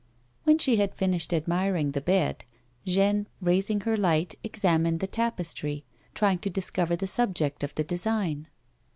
"When she had finished admiring the bed, Jeanne, raising her light, examined the tapestry, trying to discover the sub ject of the design.